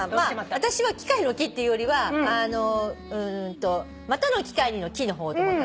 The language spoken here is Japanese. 私は「機械」の「機」っていうよりは「またの機会に」の「機」って思った。